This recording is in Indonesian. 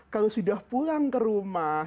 kalau sudah pulang ke rumah